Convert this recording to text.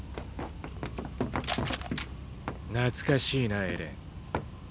懐かしいなエレン。